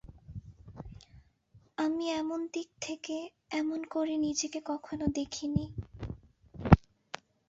আমি এমন দিক থেকে এমন করে নিজেকে কখনো দেখি নি।